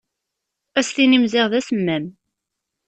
Ad s-tinni-m ziɣ d asemmam.